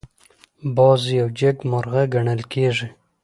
باز یو جګمرغه ګڼل کېږي